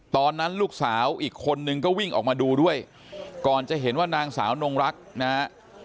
ตอนนั้นลูกสาวอีกคนนึงก็วิ่งออกมาดูด้วยก่อนจะเห็นว่านางสาวนงรักนะฮะ